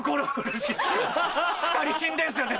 １人死んでんすよね